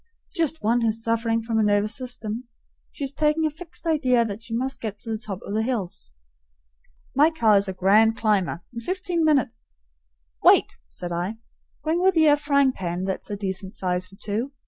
"Just one who's sufferin' from a nervous system. She's taken a fixed idea that she must get to the top o' the hills." "My car is a grand climber. In fifteen minutes " "Wait!" said I. "Bring with ye a frying pan that's a decent size for two.